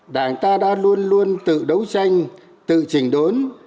đảng ta đã luôn luôn tự đấu tranh tự trình đốn